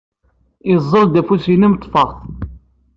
Yeẓẓel-d afus-nnes, ḍḍfeɣ-t.